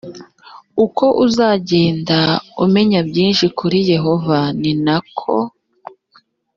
uko uzagenda umenya byinshi kuri yehova ni na ko